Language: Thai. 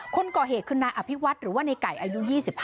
คนก่อเหตุคือนายอภิวัฒน์หรือว่าในไก่อายุ๒๕